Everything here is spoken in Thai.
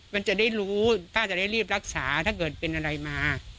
มันจะได้รู้ถ้าจะได้รีบรักษาถ้าเกิดเป็นอะไรมา